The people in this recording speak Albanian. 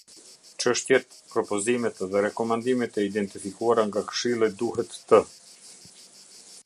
Çështjet, propozimet dhe rekomandimet e identifikuara nga Këshilli duhet të.